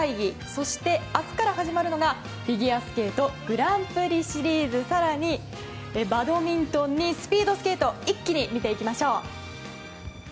そして、明日から始まるのがフィギュアスケートのグランプリシリーズ更にバドミントンにスピードスケート一気に見ていきましょう。